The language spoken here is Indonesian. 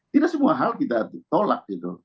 tidak semua hal kita tolak gitu